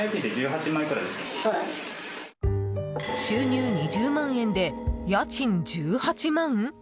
収入２０万円で家賃１８万？